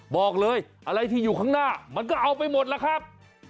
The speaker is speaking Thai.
บอกเลยอะไรที่อยู่ข้างหน้ามันก็เอาไปหมดล่ะครับ